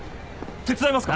手伝いますか？